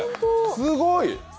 すごい！